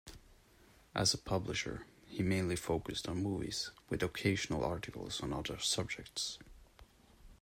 As a publisher, he mainly focused on movies, with occasional articles on other subjects.